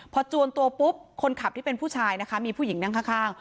พอจวนตัวปุ๊บคนขับที่เป็นผู้ชายนะคะมีผู้หญิงนั่งข้าง